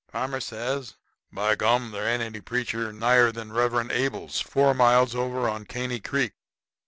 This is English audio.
Farmer says, "B'gum there ain't any preacher nigher than Reverend Abels, four miles over on Caney Creek."